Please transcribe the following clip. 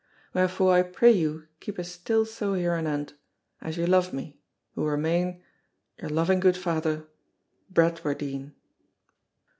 Wherefore I pray you keep a still sough hereanent, as you love me, who remain—Your loving good father, BRADWARDINE.